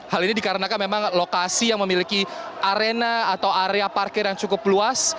hal ini dikarenakan memang lokasi yang memiliki arena atau area parkir yang cukup luas